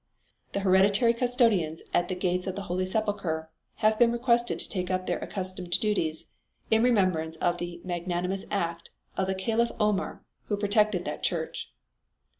The hereditary custodians at the gates of the Holy Sepulchre have been requested to take up their accustomed duties in remembrance of the magnanimous act of the Caliph Omar, who protected that church.